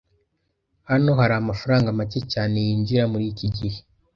Hano hari amafaranga make cyane yinjira muri iki gihe